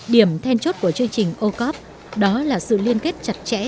điểm then chốt của chương trình o cop đó là sự liên kết chặt chẽ